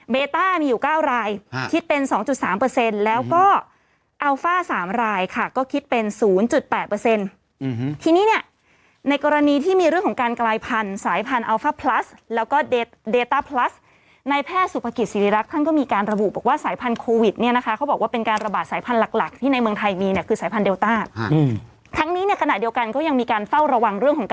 เมต้ามีอยู่เก้ารายฮะคิดเป็นสองจุดสามเปอร์เซ็นต์แล้วก็อัลฟ่าสามรายค่ะก็คิดเป็นศูนย์จุดแปดเปอร์เซ็นต์อืมทีนี้เนี้ยในกรณีที่มีเรื่องของการกลายพันธุ์สายพันธุ์อัลฟ่าพลัสแล้วก็เดตเดต้าพลัสในแพทย์สุขภกิจศรีรักษณ์ท่านก็มีการระบุบอกว่าสายพันธุ์โควิดเน